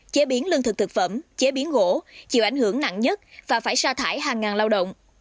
chế biến lương thực thực phẩm chế biến gỗ chịu ảnh hưởng nặng nhất và phải xa thải hàng ngàn lao động